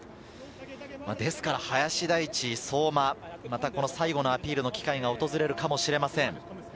ですから林大地、相馬、最後のアピールの機会が訪れるかもしれません。